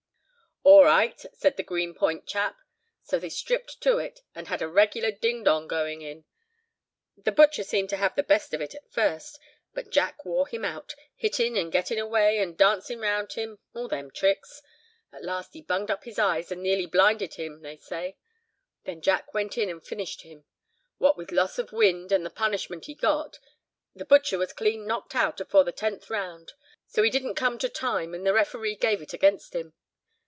"All right!" says the Green Point chap; "so they stripped to it, and had a regular ding dong go in. The butcher seemed to have the best of it at first, but Jack wore him out, hittin' and gettin' away, and dancin' round him—all them tricks. At last he bunged up his eyes and nearly blinded him, they say. Then Jack went in and finished him; what with loss of wind, and the punishment he got, the butcher was clean knocked out afore the tenth round. So he didn't come to time, and the referee gave it against him.